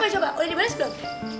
coba coba udah dibalas belum